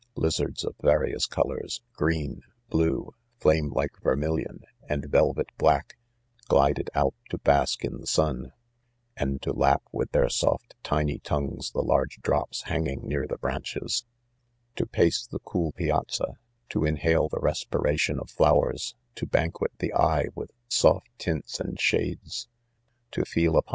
Lizards of Various colors — green, blue, flame like vermillion, and velvet black, glided ; '6^k^ }^^^^^' ^^^^^X4%^ ::'; k^L their soft tiny tongues the large drops hang ing near the branehes.( le )£ To pace the cool piazza, to inhale the res piration of flowers, ^o lanqiiot^he : eye with soft tints and' shades ; to ^feel ? iipon.